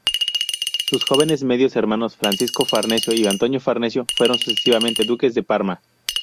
Sus jóvenes medios hermanos Francisco Farnesio y Antonio Farnesio fueron sucesivamente duques de Parma.